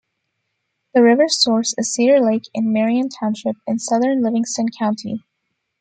The river's source is Cedar Lake in Marion Township in southern Livingston County.